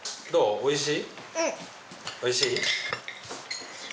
おいしい？